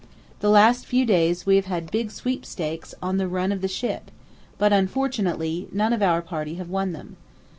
The last few days we have had big sweepstakes on the run of the ship; but, unfortunately, none of our party have won them.